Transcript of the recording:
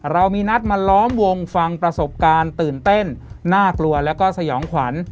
เรามีนัดมาล้อมวงฟังประสบการณ์ตื่นเต้นน่ากลัวแล้วก็สยองขวัญ